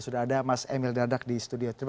sudah ada mas emil dadak di studio